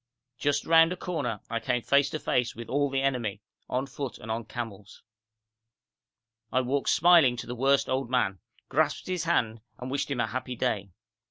Just round a corner I came face to face with all the enemy, on foot and on camels. I walked smiling to the worst old man, grasped his hand, and wished him a happy day.